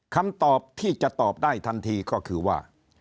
คำตอบที่จะตอบได้ทันทีก็คือว่า